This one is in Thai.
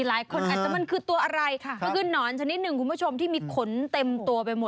หลายคนอาจจะมันคือตัวอะไรมันคือหนอนชนิดหนึ่งคุณผู้ชมที่มีขนเต็มตัวไปหมด